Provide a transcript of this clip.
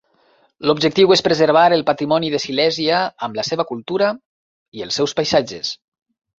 L'objectiu és preservar el patrimoni de Silèsia amb la seva cultura i els seus paisatges.